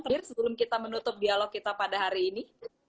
terakhir sebelum kita menutup dialog kita pada hari ini